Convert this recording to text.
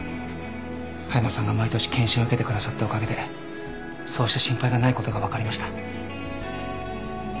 葉山さんが毎年検診を受けてくださったおかげでそうした心配がないことが分かりました。